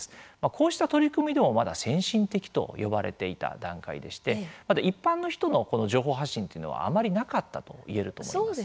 こうした取り組みでもまだ先進的と呼ばれていた段階でして一般の人のこの情報発信というのは、あまりなかったと言えると思います。